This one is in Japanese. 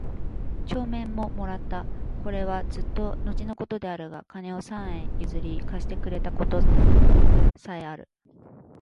帳面も貰つた。是はずつと後の事であるが金を三円許り借してくれた事さへある。